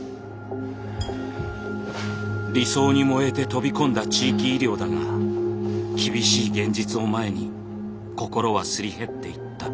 理想に燃えて飛び込んだ地域医療だが厳しい現実を前に心はすり減っていった。